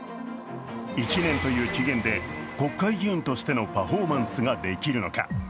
１年という期限で国会議員としてのパフォーマンスができるのか。